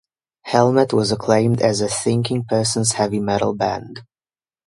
Helmet was acclaimed as a "Thinking person's heavy metal band".